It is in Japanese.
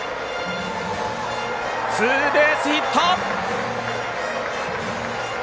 ツーベースヒット！